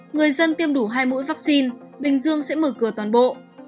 người dân tiêm đủ hai mũi vaccine bình dương sẽ mở cửa toàn bộ